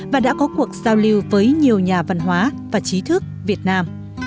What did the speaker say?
và đã có cuộc giao lưu với nhiều nhà văn hóa và trí thức việt nam